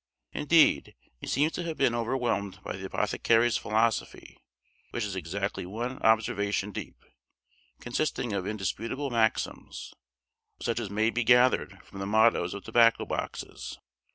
Indeed he seems to have been overwhelmed by the apothecary's philosophy, which is exactly one observation deep, consisting of indisputable maxims, such as may be gathered from the mottoes of tobacco boxes.